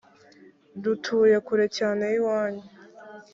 dutuye kure cyane y iwanyu